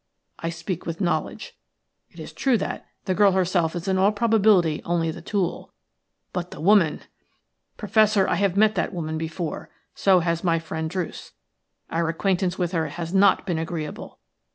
I speak with knowledge. It is true that the girl herself is in all probability only the tool; but the woman —! Professor, I have met that woman before; so has my friend Druce. Our acquaintance with her has not been agreeable.